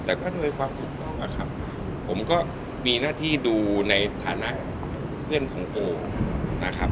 แต่ก็โดยความคุ้มกล้องผมก็มีหน้าที่ดูในฐานะเพื่อนของโอนะครับ